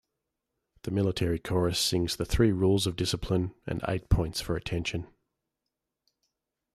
The military chorus sings the Three Rules of Discipline and Eight Points for Attention.